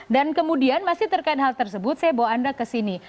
dan kemudian masih terkait hal tersebut saya bawa anda ke sini